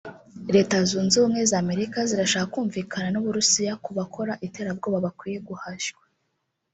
Leta Zunze Ubumwe za Amerika zirashaka kumvikana n’u Burusiya ku bakora iterabwoba bakwiye guhashywa